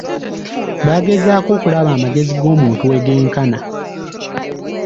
Bagezaako okulaba amagezi g'omuntu we genkana .